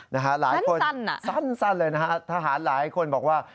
หลายคนสั้นเลยนะฮะทหารหลายคนบอกว่า